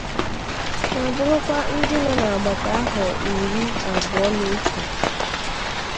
ma bụrụkwa ndị nọ n'agbata ahọ iri abụọ na ótù